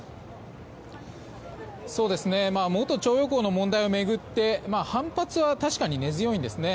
元徴用工の問題を巡って反発は確かに根強いです。